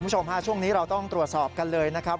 คุณผู้ชมฮะช่วงนี้เราต้องตรวจสอบกันเลยนะครับ